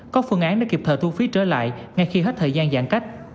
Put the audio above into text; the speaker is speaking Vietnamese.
có phương án để kịp thời thu phí trở lại ngay khi hết thời gian giãn cách